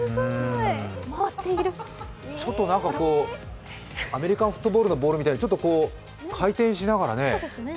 ちょっとアメリカンフットボールのボールみたいに回転しながらね。